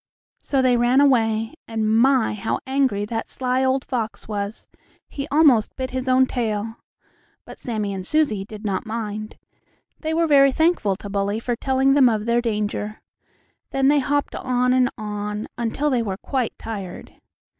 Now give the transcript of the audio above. So they ran away, and my! how angry that sly old fox was. He almost bit his own tail. But Sammie and Susie did not mind. They were very thankful to Bully for telling them of their danger. Then they hopped on and on, until they were quite tired.